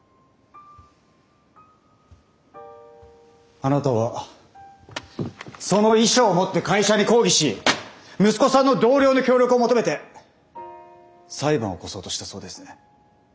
あなたはその遺書を持って会社に抗議し息子さんの同僚の協力を求めて裁判を起こそうとしたそうですね。